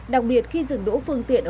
đặc biệt khi dừng đỗ phương tiện